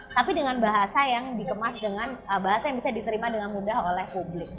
tapi dengan bahasa yang dikemas dengan bahasa yang bisa diterima dengan mudah oleh publik